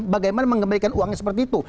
bagaimana mengembalikan uangnya seperti itu